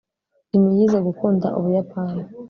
jim yize gukunda ubuyapani